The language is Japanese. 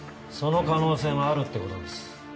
その可能性もあるってことです。